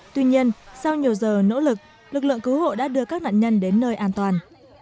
tuy nhiên sau nhiều giờ nỗ lực lực lượng cứu hộ đã đưa các nạn nhân đến nơi an toàn